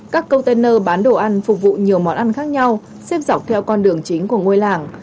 các container bán đồ ăn phục vụ nhiều món ăn khác nhau xếp dọc theo con đường chính của ngôi làng